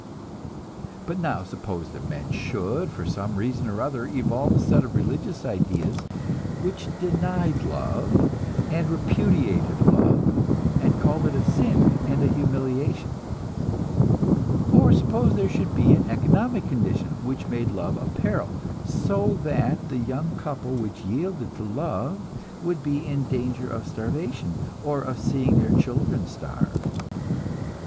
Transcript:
But now suppose that men should, for some reason or other, evolve a set of religious ideas which denied love, and repudiated love, and called it a sin and a humiliation; or suppose there should be an economic condition which made love a peril, so that the young couple which yielded to love would be in danger of starvation, or of seeing their children starve.